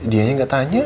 dianya gak tanya